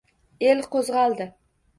El qo’zg’aldi —